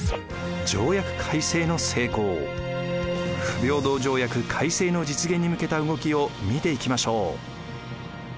不平等条約改正の実現に向けた動きを見ていきましょう。